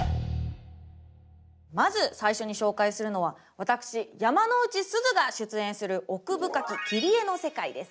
まず最初に紹介するのは私山之内すずが出演する「奥深き切り絵の世界」です。